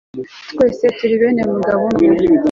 twese turi bene mugabo umwe